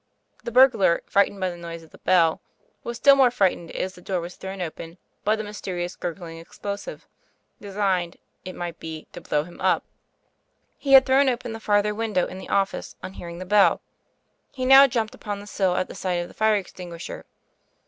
The burglar, frightened by the noise of the bell, was still more frightened, as the door was thrown open, by the mysterious gurgling cx flosive, designee!, it might be, to blow him up. le had thrown open the farther window in the office on hearing the bell; he now jumped upon the sill at the sight of the fire extinguisher.